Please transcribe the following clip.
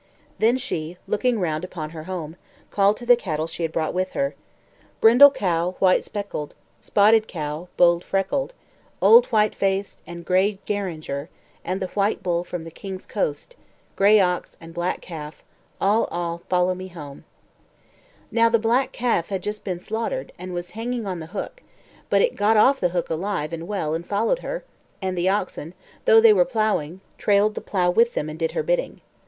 Then she, looking round upon her home, called to the cattle she had brought with her: Brindle cow, white speckled, Spotted cow, bold freckled, Old white face, and gray Geringer, And the white bull from the king's coast, Grey ox, and black calf, All, all, follow me home, Now the black calf had just been slaughtered, and was hanging on the hook; but it got off the hook alive and well and followed her; and the oxen, though they were ploughing, trailed the plough with them and did her bidding.